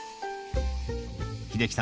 秀樹さん